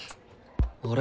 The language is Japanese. あれ？